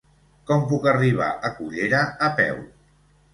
Com puc arribar a Cullera a peu?